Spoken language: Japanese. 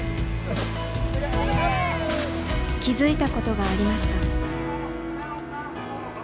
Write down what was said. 気付いたことがありました。